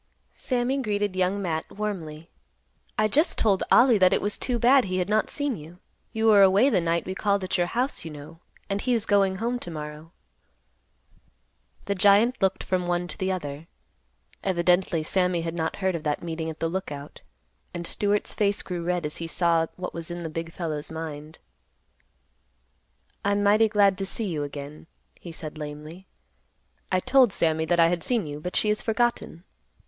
Sammy greeted Young Matt warmly. "I just told Ollie that it was too bad he had not seen you. You were away the night we called at your house, you know; and he is going home to morrow." The giant looked from one to the other. Evidently Sammy had not heard of that meeting at the Lookout, and Stewart's face grew red as he saw what was in the big fellow's mind. "I'm mighty glad to see you again," he said lamely. "I told Sammy that I had seen you, but she has forgotten."